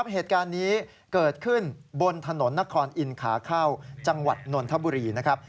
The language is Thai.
เหตุการณ์นี้เกิดขึ้นบนถนนนครอินทร์ขาเข้าจังหวัดนนทบุรีนะครับ